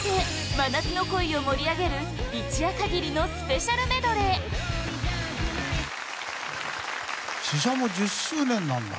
真夏の恋を盛り上げる一夜限りのスペシャルメドレーＳＨＩＳＨＡＭＯ１０周年なんだ。